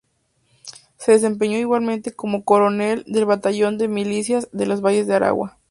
Se desempeñó igualmente como coronel del batallón de milicias de los Valles de Aragua.